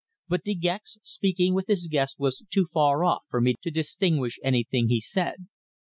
But De Gex speaking with his guest was too far off for me to distinguish anything he said.